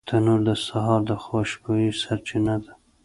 تنور د سهار د خوشبویۍ سرچینه ده